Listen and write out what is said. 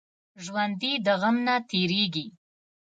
ژوندي د غم نه تېریږي